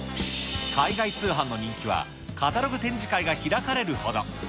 海外通販の人気は、カタログ展示会が開かれるほど。